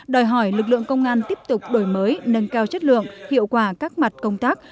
đòi hỏi lực lượng công an tiếp tục đổi mới nâng cao chất lượng hiệu quả các mặt công tác